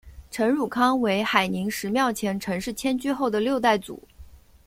陈汝康为海宁十庙前陈氏迁居后的六代祖。